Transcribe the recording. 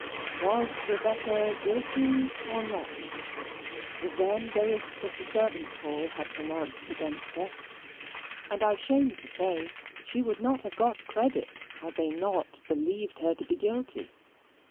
"Was Rebecca guilty or not?" the Vehmgericht of the servants' hall had pronounced against her. And, I shame to say, she would not have got credit had they not believed her to be guilty.